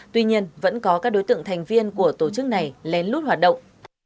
tuy nhiên vẫn có các đối tượng thành viên của tổ chức này lén lút hoạt động